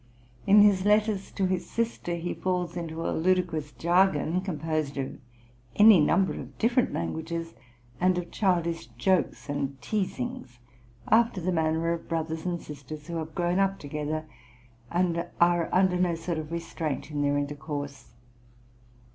In his letters to his sister, he falls into a ludicrous jargon, composed of any number of different languages, and of childish jokes and teasings, after the manner of brothers and sisters who have grown up together and are under no sort of restraint in their intercourse.